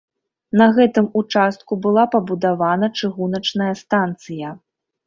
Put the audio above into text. На гэтым участку была пабудавана чыгуначная станцыя.